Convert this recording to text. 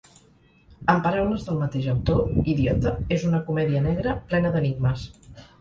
En paraules del mateix autor, ‘Idiota’ és una comèdia negra, plena d’enigmes.